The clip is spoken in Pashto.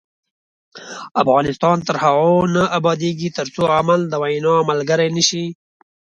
افغانستان تر هغو نه ابادیږي، ترڅو عمل د وینا ملګری نشي.